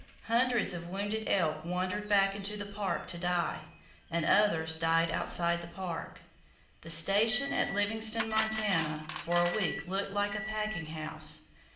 Hundreds of wounded elk wandered back into the park to die, and others died outside the park. The station at Livingston, Montana, for a week looked like a packing house.